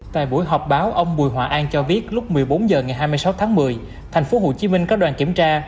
tại buổi họp báo ông bùi hòa an cho biết lúc một mươi bốn h ngày hai mươi sáu tháng một mươi tp hcm có đoàn kiểm tra